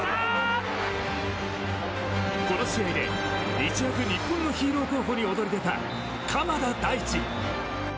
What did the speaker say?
この試合で一躍日本のヒーロー候補に躍り出た鎌田大地。